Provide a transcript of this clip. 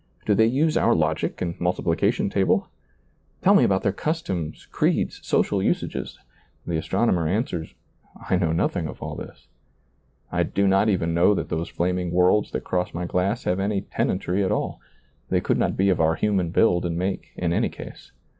do they use our logic and multiplication table? Tell me ^lailizccbvGoOgle SEEING DARKLY 13 about their customs, creeds, social usages, the astronomer answers : I know nothing of all this. I do not even know that those flaming worlds that cross my glass have any tenantry at all ; they could not be of our human build and make, in any case.